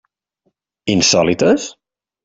Insòlites?